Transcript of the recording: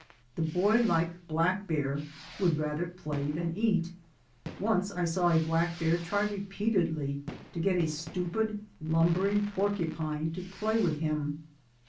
The boy like black bear would rather play than eat. Once I saw a black bear try repeatedly to get a stupid, lumbering porcupine to play with him.